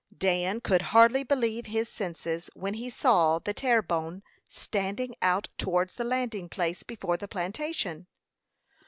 Dan could hardly believe his senses when he saw the Terre Bonne standing out towards the landing place before the plantation.